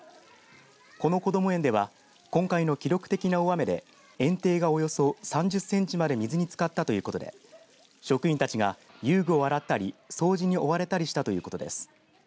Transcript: このこども園では今回の記録的な大雨で園庭がおよそ３０センチまで水につかったということで職員たちが遊具を洗ったり掃除に追われたりしたということです。